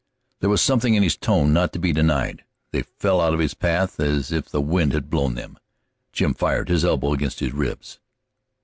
There was something in his tone not to be denied; they fell out of his path as if the wind had blown them. Jim fired, his elbow against his ribs.